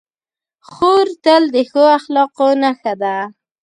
خور تل د ښو اخلاقو نښه ده.